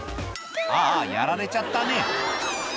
ああやられちゃったね